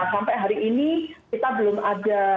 sampai hari ini kita belum ada